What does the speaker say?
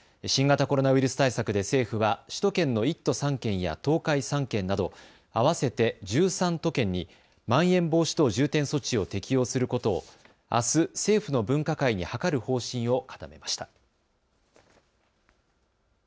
新型コロナウイルス対策で政府は首都圏の１都３県や東海３県など合わせて１３都県にまん延防止等重点措置を適用することをあす、政府の分科会に諮る方針を固めました。